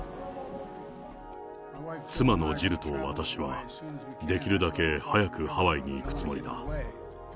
妻のジルと私は、できるだけ早くハワイに行くつもりだ。